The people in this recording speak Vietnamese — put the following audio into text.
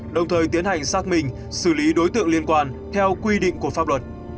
đồng thời tiến hành xác minh xử lý đối tượng liên quan theo quy định của pháp luật